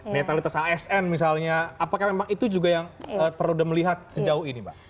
netralitas asn misalnya apakah memang itu juga yang perlu melihat sejauh ini mbak